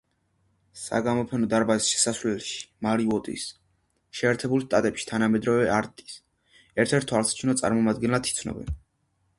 საგამოფენო დარბაზის შესასვლელში მარი ვოტის, შეერთებულ შტატებში თანამედროვე არტის ერთერთ თვალსაჩინო წარმომადგენლად იცნობენ.